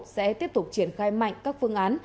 sẽ tiếp tục triển khai mạnh các phương án